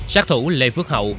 sát thủ lê phước hậu